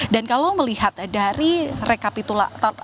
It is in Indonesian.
dan kalau melihat dari rekapitulasi